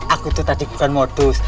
aku itu tadi bukan modus